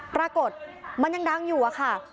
ปรากฏมันยังดังอยู่อะค่ะ